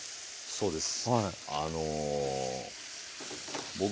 そうです。